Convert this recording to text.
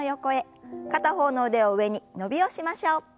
片方の腕を上に伸びをしましょう。